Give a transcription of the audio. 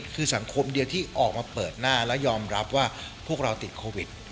คือสังคมเดียวที่ออกมาเปิดหน้าและยอมรับว่าพวกเราติดโควิด